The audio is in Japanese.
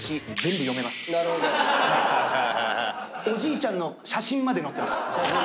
おじいちゃんの写真まで載ってます。